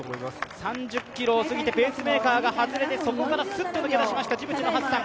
３０ｋｍを過ぎてペースメーカーが外れてそこからすっと抜け出しました、ハッサン。